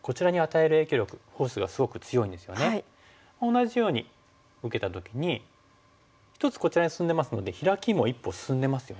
同じように受けた時に一つこちらに進んでますのでヒラキも一歩進んでますよね。